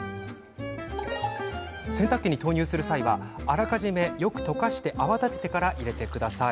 洗濯機に投入する際はあらかじめ、よく溶かして泡立ててから入れましょう。